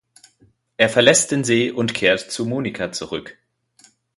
Er verlässt den See und kehrt zu Monika zurück.